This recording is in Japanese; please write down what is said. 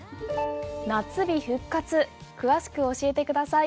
夏日復活詳しく教えてください。